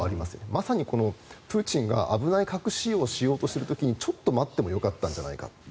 まさにプーチンが危ない核使用をしようとしている時にちょっと待ってもよかったんじゃないかと。